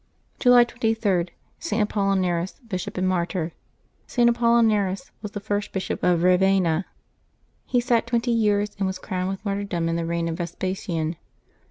July 23.— ST. APOLLINARIS, Bishop and Martyr. [t. Apollhstaeis was the first Bishop of Eavenna : he sat twenty years, and was crowned with martyrdom in the reign of Vespasian.